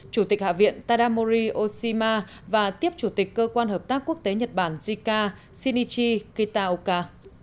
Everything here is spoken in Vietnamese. chủ tịch hạ viện tadamori oshima và tiếp chủ tịch cơ quan hợp tác quốc tế nhật bản jica shinichi kitaoka